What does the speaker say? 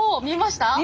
見えました？